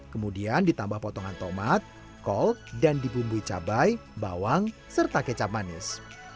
kemudian ditambah potongan tomat kol dan dibumbui cabai bawang serta kecap manis